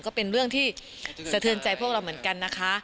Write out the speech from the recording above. ก็เป็นเรื่องที่สะเทือนใจพวกเราเหมือนกันนะคะ